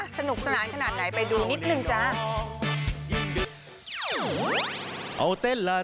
สนุกสนานขนาดไหนไปดูนิดนึงจ้า